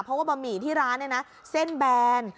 เพราะว่าบะหมี่ที่ร้านเนี่ยนะเส้นแบน